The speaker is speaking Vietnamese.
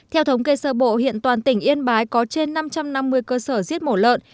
theo thống kê sơ bộ hiện toàn tỉnh yên bái có trên năm trăm năm mươi cơ sở giết mổ lợn